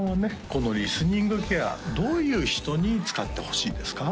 このリスニングケアどういう人に使ってほしいですか？